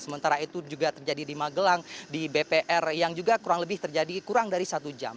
sementara itu juga terjadi di magelang di bpr yang juga kurang lebih terjadi kurang dari satu jam